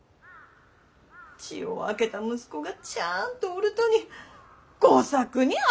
血を分けた息子がちゃんとおるとに吾作に跡ば譲るて！